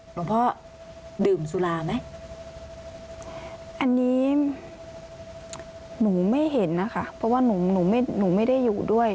หลวงพ่อดื่มสุราไหมอันนี้หนูไม่เห็นนะคะเพราะว่าหนูหนูไม่หนูไม่ได้อยู่ด้วย